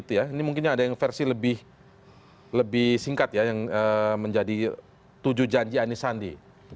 ini mungkin ada yang versi lebih singkat ya yang menjadi tujuh janji anies sandi